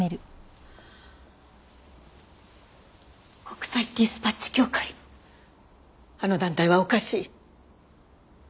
国際ディスパッチ協会あの団体はおかしい。